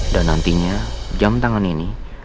dan nantinya jam tangan ini